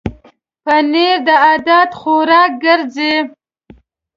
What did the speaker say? پنېر د عادت خوراک ګرځي.